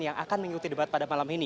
yang akan mengikuti debat pada malam ini